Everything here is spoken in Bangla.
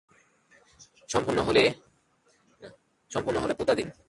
গোলাপের ডাল পুঁততে হবে।